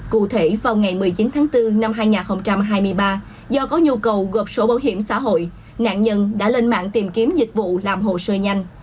cụ thể vào ngày một mươi chín tháng bốn năm hai nghìn hai mươi ba do có nhu cầu gộp sổ bảo hiểm xã hội nạn nhân đã lên mạng tìm kiếm dịch vụ làm hồ sơ nhanh